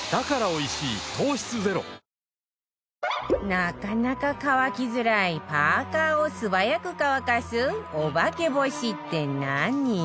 なかなか乾きづらいパーカーを素早く乾かすおばけ干しって何？